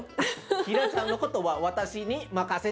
希良ちゃんのことは私に任せて！